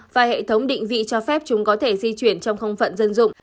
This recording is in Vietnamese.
và hệ thống định vị cho phép chúng có thể di chuyển trong không phận dân dụng